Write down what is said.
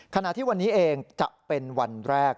ขณะที่วันนี้เองจะเป็นวันแรก